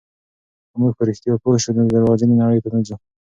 که موږ په رښتیا پوه شو، نو درواغجنې نړۍ ته نه ځو.